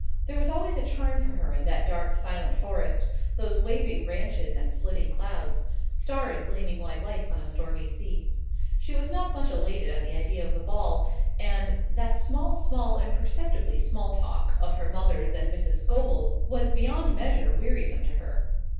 There was always a charm for her in that dark silent forest, those waving branches and flitting clouds, stars gleaming like lights on a stormy sea. She was not much elated at the idea of the ball, and "that small, small, imperceptibly small talk" of her mother's and Mrs. Scobel's was beyond measure wearisome to her.